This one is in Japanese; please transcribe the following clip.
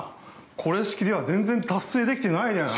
これしきでは全然達成できてないじゃな◆